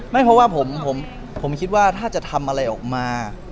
ไม่เพราะว่าผมคิดว่าถ้าจะทำอะไรออกมา